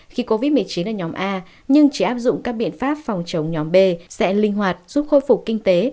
khi covid một mươi chín ở nhóm a nhưng chỉ áp dụng các biện pháp phòng chống nhóm b sẽ linh hoạt giúp khôi phục kinh tế